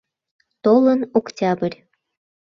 Толын Октябрь.